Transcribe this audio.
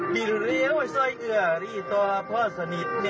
พังพิบตกยะถือซาทั้งถ้าฟังเพาะสามแกง